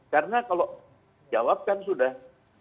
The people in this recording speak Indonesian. karena kalau jawab kan sudah